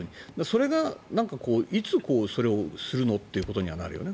それがいつ、それをするのってことにはなるよね。